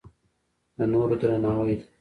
د نورو درناوی ده.